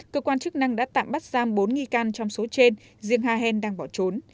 cơ quan chức năng đã tạm bắt giam bốn nghi can trong số trên riêng ha hèn đang bỏ trốn